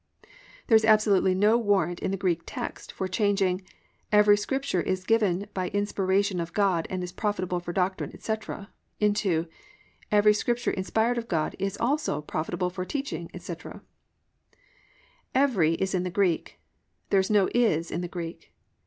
There is absolutely no warrant in the Greek text for changing "Every Scripture is given by inspiration of God and is profitable for doctrine, etc.," into "Every Scripture inspired of God is also profitable for teaching, etc." "Every" is in the Greek. There is no "is" in the Greek.